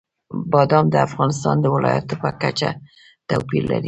بادام د افغانستان د ولایاتو په کچه توپیر لري.